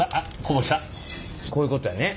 こういうことやね。